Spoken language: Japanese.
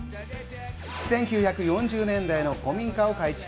１９４０年代の古民家を改築。